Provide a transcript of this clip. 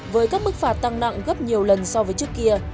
với các mức phạt tăng nặng gấp nhiều lần so với trước kia